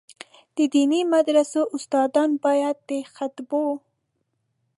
د دیني مدرسو استادان باید د خطبو.